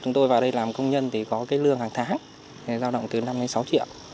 chúng tôi vào đây làm công nhân thì có cái lương hàng tháng giao động từ năm đến sáu triệu